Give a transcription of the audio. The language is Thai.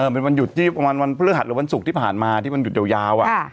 เป็นวันหยุดที่วันพฤหัสหรือวันศุกร์ที่ผ่านมาที่วันหยุดยาว